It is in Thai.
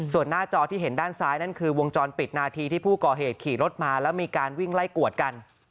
ส่วนหน้าจอที่เห็นด้านซ้ายนั่นคือวงจรปิดนาทีที่ผู้ก่อเหตุขี่รถมาแล้วมีการวิ่งไล่กวดกัน